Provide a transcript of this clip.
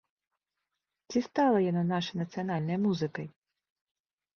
Ці стала яна нашай нацыянальнай музыкай?